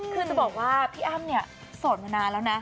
คือจะบอกว่าพี่อ้ำเนี่ยโสดมานานแล้วนะ